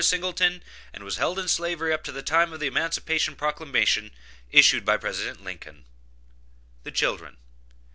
Singleton, and was held in slavery up to the time of the emancipation proclamation issued by President Lincoln. THE CHILDREN.